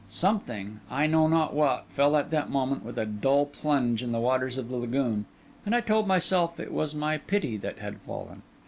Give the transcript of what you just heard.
Something, I know not what, fell at that moment with a dull plunge in the waters of the lagoon, and I told myself it was my pity that had fallen.